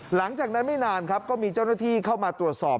หลังจากนั้นไม่นานครับก็มีเจ้าหน้าที่เข้ามาตรวจสอบ